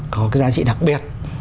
có cái giá trị đặc biệt